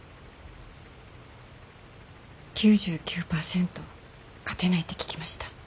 ９９％勝てないって聞きました。